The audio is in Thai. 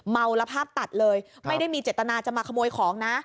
เมาแล้วภาพตัดเลยไม่ได้มีเจตนาจะมาขโมยของนะ